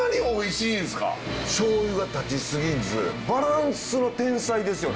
しょうゆが立ち過ぎずバランスの天才ですよね。